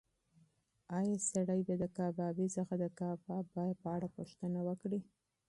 ایا سړی به د کبابي څخه د کباب د قیمت په اړه پوښتنه وکړي؟